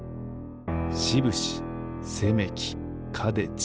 しぶしせめきかでち。